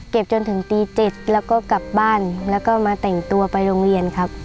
จนถึงตี๗แล้วก็กลับบ้านแล้วก็มาแต่งตัวไปโรงเรียนครับ